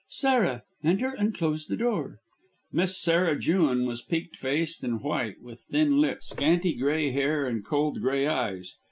Sarah, enter and close the door." Miss Sarah Jewin was peaked faced and white, with thin lips, scanty grey hair and cold grey eyes.